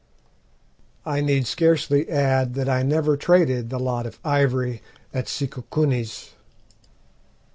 "I need scarcely add that I never traded the lot of ivory at Sikukuni's.